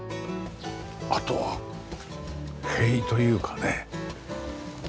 あとは塀というかね。